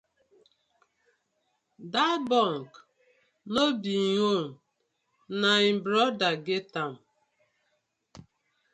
Dat bunk no be im own, na im brother get am.